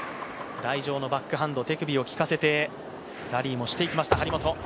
台上のバックハンド、手首をきかせてラリーをしていきました。